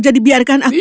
jadi biarkan aku